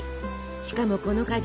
しかもこの果汁。